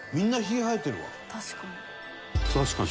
確かに。